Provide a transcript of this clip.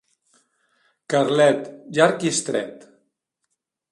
Carlet, llarg i estret.